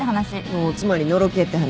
おっつまりのろけって話？